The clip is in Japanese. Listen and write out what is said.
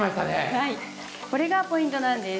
はいこれがポイントなんです。